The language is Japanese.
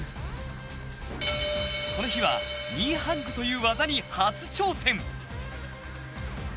この日はニーハングという技に初挑戦。